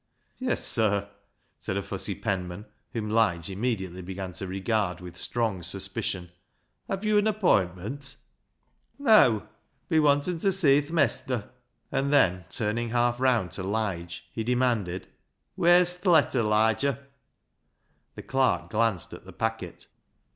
"Yes, sir," said a fussy penman, whom Lige immediately began to regard with strong suspicion. " Have you an appointment? "" Neaw ; we wanten t' see th' mestur." And then, turning half round to Lige, he demanded, "Where's th' letter, Liger?" The clerk glanced at the packet.